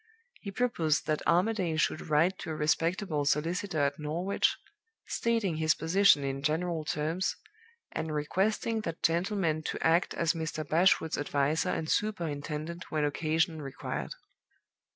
He proposed that Armadale should write to a respectable solicitor at Norwich, stating his position in general terms, and requesting that gentleman to act as Mr. Bashwood's adviser and superintendent when occasion required.